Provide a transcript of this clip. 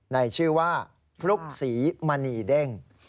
ในชื่อว่าพลุกศรีมณีเด้ง